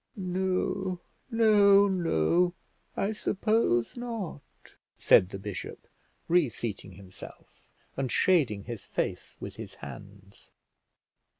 "No, no, no, I suppose not," said the bishop, re seating himself, and shading his face with his hands.